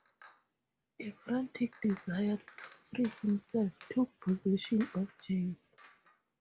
A frantic desire to free himself took possession of James.